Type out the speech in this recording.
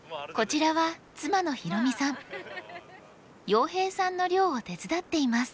洋平さんの漁を手伝っています。